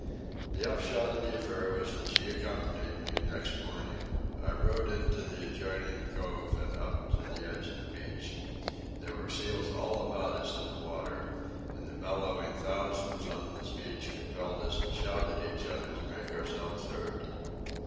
The upshot of the affair was that she accompanied me next morning. I rowed into the adjoining cove and up to the edge of the beach. There were seals all about us in the water, and the bellowing thousands on the beach compelled us to shout at each other to make ourselves heard.